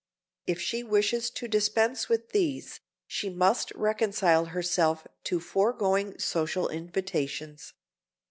If she wishes to dispense with these, she must reconcile herself to foregoing social invitations.